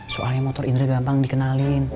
soalnya motor indra gampang dikenalin